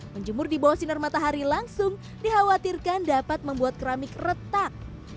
menjemur di bawah sinar matahari langsung dikhawatirkan dapat membuat keramik retak